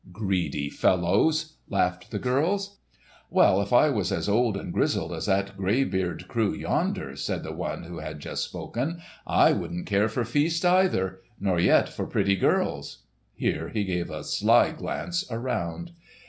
"Greedy fellows!" laughed the girls. "Well, if I was as old and grizzled as that greybeard crew yonder," said the one who had just spoken, "I wouldn't care for feasts either—nor yet for pretty girls." Here he gave a sly glance around.